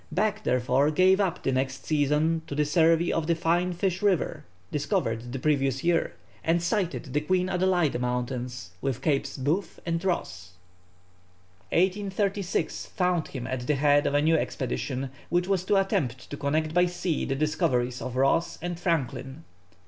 Back, therefore, gave up the next season to the survey of the fine Fish River, discovered the previous year, and sighted the Queen Adelaide Mts., with Capes Booth and Ross. 1836 found him at the head of a new expedition, which was to attempt to connect by sea the discoveries of Ross and Franklin.